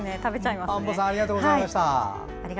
マンボさんありがとうございました。